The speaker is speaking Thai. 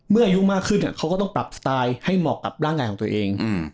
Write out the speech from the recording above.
อายุมากขึ้นเขาก็ต้องปรับสไตล์ให้เหมาะกับร่างกายของตัวเอง